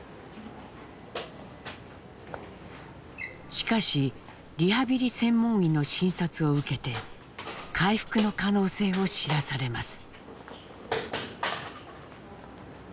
しかしリハビリ専門医の診察を受けて回復の可能性を知らされます。